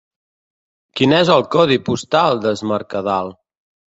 Quin és el codi postal d'Es Mercadal?